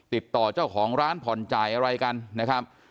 ติดต่อเจ้าของร้านผ่อนจ่ายอะไรกันนะครับ